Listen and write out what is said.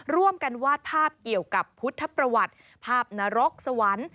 ร่วมกันวาดภาพเกี่ยวกับพุทธประวัติภาพนรกสวรรค์